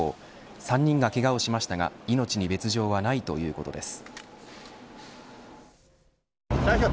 ３人がけがをしましたが命に別条はないということです。